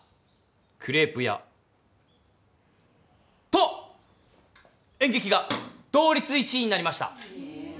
クレープ屋と演劇が同率１位になりました